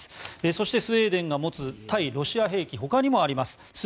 そして、スウェーデンが持つ対ロシア兵器ほかにもあります。